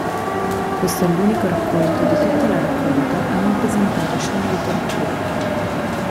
Questo è l'unico racconto di tutta la raccolta a non presentare scene di tortura.